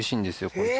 こいつ。